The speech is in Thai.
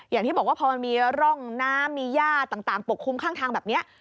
อย่างที่บอกว่าพอมันมีร่องน้ำมีย่าต่างปกคลุมข้างทางแบบนี้